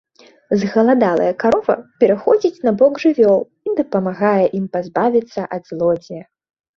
Згаладалая карова пераходзіць на бок жывёл і дапамагае ім пазбавіцца ад злодзея.